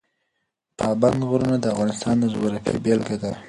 پابندی غرونه د افغانستان د جغرافیې بېلګه ده.